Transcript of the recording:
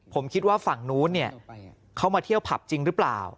ผมคิดว่าฝั่งนู้นเขามาเที่ยวผับจริงหรือเปล่า